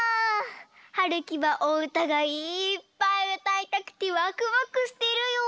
はるきはおうたがいっぱいうたいたくてワクワクしてるよ。